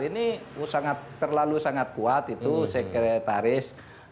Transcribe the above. ini sangat terlalu sangat kuat itu sekretaris